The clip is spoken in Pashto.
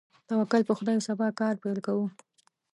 توکل په خدای، سبا کار پیل کوو.